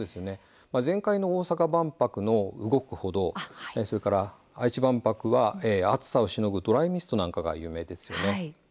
前回の大阪万博では動く歩道愛知万博では暑さをしのぐドライミストが有名ですよね。